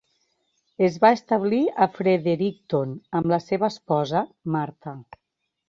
Es va establir a Fredericton amb la seva esposa, Martha.